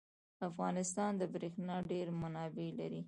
افغانستان د بریښنا ډیر منابع لري.